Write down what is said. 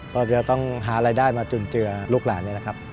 ก็จะต้องหารายได้มาจุนเจือลูกหลานนี่แหละครับ